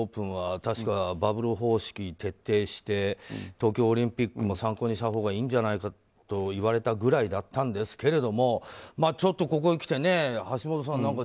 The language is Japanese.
去年の全豪オープンはバブル方式を徹底して東京オリンピックも参考にしたほうがいいんじゃないかと言われたくらいだったんですがちょっとここへきて橋下さん